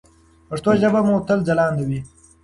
پښتو ژبه مو تل ځلانده وي.